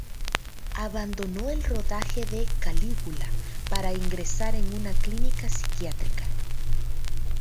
Abandonó el rodaje de "Calígula" para ingresar en una clínica psiquiátrica.